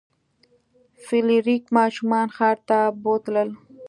فلیریک ماشومان ښار ته بوتلل.